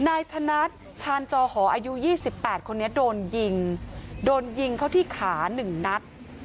นายถนัดชาญจอหออายุยี่สิบแปดคนนี้โดนยิงโดนยิงเขาที่ขาหนึ่งนัด